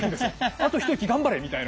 あと一息頑張れみたいな。